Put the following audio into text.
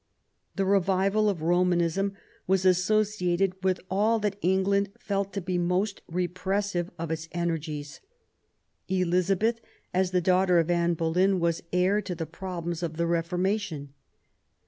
The revival of Romanism was associated with all that England felt to be most repressive of its energies. Elizabeth, as the daughter of Anne Boleyn, was heir to the problems of the Reformation.